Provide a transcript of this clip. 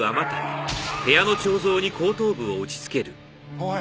おい！